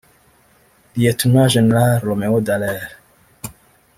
Lt Gen Romeo Dallaire